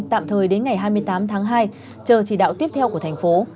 một mươi đến ngày hai mươi tám tháng hai chờ chỉ đạo tiếp theo của thành phố